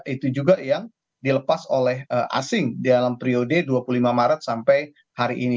itu juga yang dilepas oleh asing dalam periode dua puluh lima maret sampai hari ini